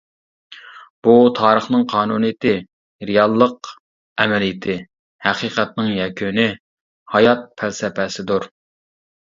بۇ، تارىخنىڭ قانۇنىيىتى، رېئاللىق ئەمەلىيىتى، ھەقىقەتنىڭ يەكۈنى، ھايات پەلسەپىسىدۇر.